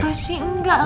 tapi apa sih enggak lah